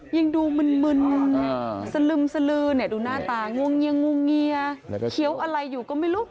ยังดูมึนสลึมดูหน้าตางวงเงียเขียวอะไรอยู่ก็ไม่รู้